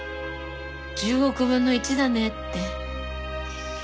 「１０億分の１だね」って。